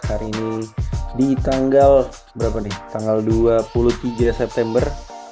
hari ini di tanggal dua puluh tiga september